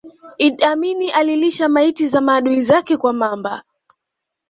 Idi Amin alilisha maiti za maadui zake kwa mamba